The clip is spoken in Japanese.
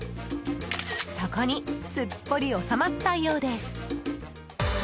そこにすっぽり収まったようです。